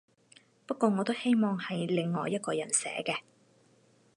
不過我都希望係另外一個人寫嘅